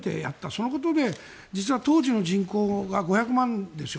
そのことで実は当時の人口が５００万でしょ。